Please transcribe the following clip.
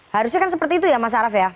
harusnya kan seperti itu ya mas araf ya